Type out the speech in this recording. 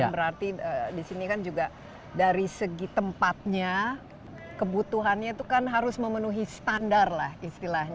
berarti di sini kan juga dari segi tempatnya kebutuhannya itu kan harus memenuhi standar lah istilahnya